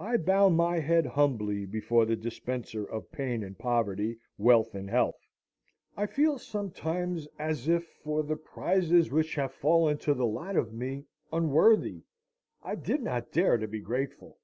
I bow my head humbly before the Dispenser of pain and poverty, wealth and health; I feel sometimes as if, for the prizes which have fallen to the lot of me unworthy, I did not dare to be grateful.